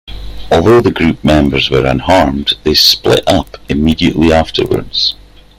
Although the group members were unharmed, they split up immediately afterwards.